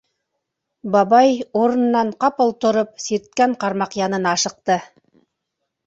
Бабай, урынынан ҡапыл тороп, сирткән ҡармаҡ янына ашыҡты.